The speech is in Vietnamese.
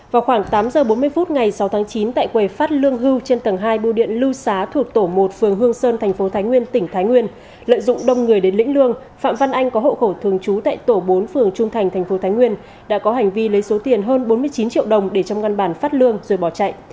vào khoảng tám giờ bốn mươi phút ngày sáu tháng chín tại quầy phát lương hưu trên tầng hai bưu điện lưu xá thuộc tổ một phường hương sơn thành phố thái nguyên tỉnh thái nguyên lợi dụng đông người đến lĩnh lương phạm văn anh có hộ khẩu thường trú tại tổ bốn phường trung thành thành phố thái nguyên đã có hành vi lấy số tiền hơn bốn mươi chín triệu đồng để trong ngăn bản phát lương rồi bỏ chạy